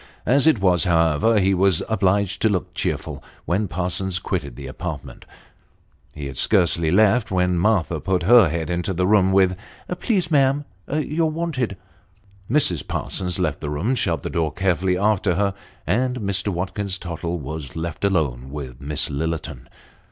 As it was, however, ho was obliged to look cheerful when Parsons quitted the apartment. He had scarcely left, when Martha put her head into the room, with " Please, ma'am, you're wanted." Mrs. Parsons left the room, shut the door carefully after her, and Mr. Watkins Tottle was left alone with Miss Lillerton.